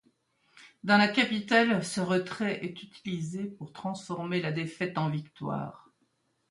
Dans la capitale, ce retrait est utilisé pour transformer la défaite en victoire.